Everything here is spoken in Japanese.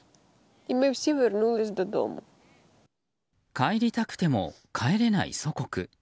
帰りたくても帰れない祖国。